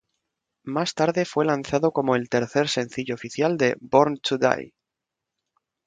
Más tarde fue lanzado como el tercer sencillo oficial de "Born to Die".